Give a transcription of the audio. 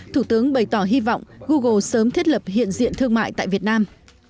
thủ tướng bày tỏ hy vọng google sớm thiết lập hiện diện thương mại tại việt nam